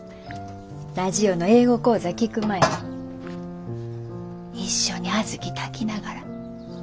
ラジオの英語講座聴く前に一緒に小豆炊きながら。